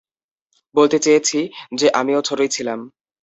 বলতে চেয়েছি, যে আমিও ছোটই ছিলাম।